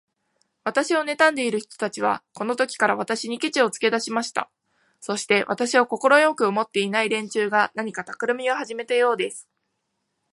私をねたんでいる人たちは、このときから、私にケチをつけだしました。そして、私を快く思っていない連中が、何かたくらみをはじめたようです。